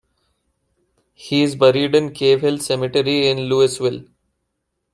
He is buried in Cave Hill Cemetery in Louisville.